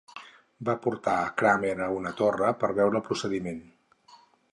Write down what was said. Van portar a Cranmer a una torre per veure el procediment.